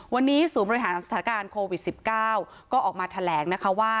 วันนี้ศูนย์บริหารสถานการณ์โควิด๑๙ก็ออกมาแถลงนะคะว่า